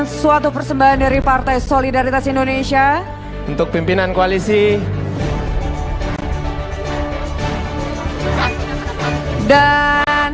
suatu persembahan dari partai solidaritas indonesia untuk pimpinan koalisi indonesia